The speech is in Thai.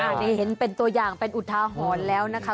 อันนี้เห็นเป็นตัวอย่างเป็นอุทาหรณ์แล้วนะคะ